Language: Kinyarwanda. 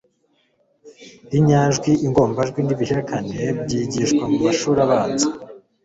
inyajwi, ingombajwi n'ibihekane byigiswa mumashuri abanza